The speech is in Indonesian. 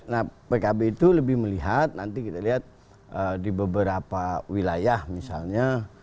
nah pkb itu lebih melihat nanti kita lihat di beberapa wilayah misalnya